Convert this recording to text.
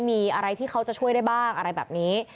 มีอะไรที่เขาจะช่วยได้บ้างอะไรแบบนี้